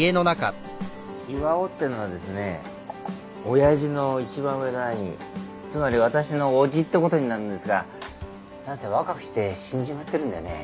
巌ってのはですね親父の一番上の兄つまり私の伯父ってことになるんですがなんせ若くして死んじまってるんでね。